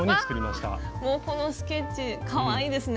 もうこのスケッチかわいいですね。